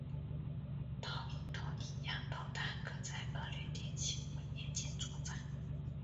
导引头亦让导弹可在恶劣天气或夜间作战。